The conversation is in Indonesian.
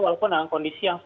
walaupun dalam kondisi yang